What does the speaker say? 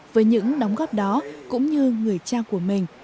với những đóng góp đó cũng như người cha của mình